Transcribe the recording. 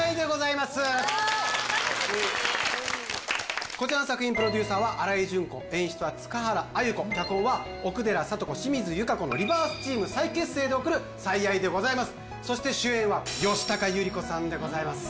楽しみこちらの作品プロデューサーは新井順子演出は塚原あゆ子脚本は奥寺佐渡子・清水友佳子の「リバース」チーム再結成で送る「最愛」でございますそして主演は吉高由里子さんでございます